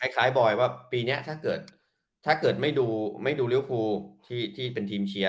คล้ายบ่อยว่าปีเนี้ยถ้าเกิดไม่ดูริ้วครูที่เป็นทีมเชียร์